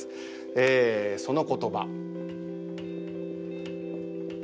えその言葉。